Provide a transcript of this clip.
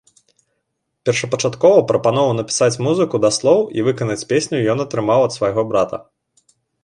Першапачаткова прапанову напісаць музыку да слоў і выканаць песню ён атрымаў ад свайго брата.